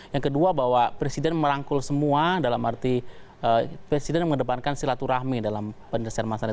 yang kedua bahwa presiden merangkul semua dalam arti presiden mengedepankan silaturahmi dalam penyelesaian masalah